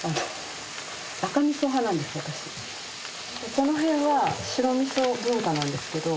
このへんは白味噌文化なんですけど。